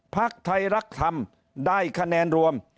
พักไทยรักธรรมได้คะแนนรวม